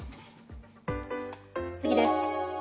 次です。